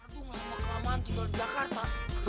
bagaimana kapan tinggal di jakarta